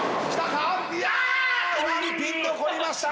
１ピン残りました。